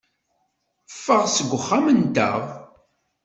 Ffeɣ seg uxxam-nteɣ.